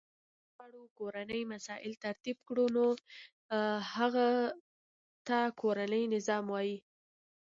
کله چی وغواړو کورنی مسایل ترتیب کړو نو هغه ته کورنی نظام وای .